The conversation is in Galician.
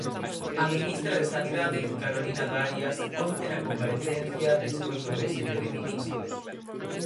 A ministra de Sanidade, Carolina Darias, onte na comparecencia despois do Consello de Ministros.